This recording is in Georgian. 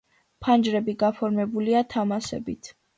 ფანჯრები გაფორმებულია თამასებით.